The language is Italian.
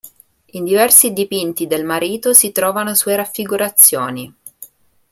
In diversi dipinti del marito si trovano sue raffigurazioni.